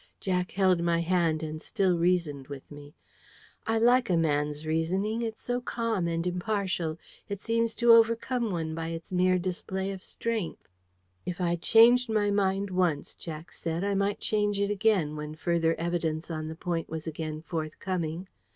Jack held my hand, and still reasoned with me. I like a man's reasoning; it's so calm and impartial. It seems to overcome one by its mere display of strength. If I'd changed my mind once, Jack said, I might change it again, when further evidence on the point was again forthcoming.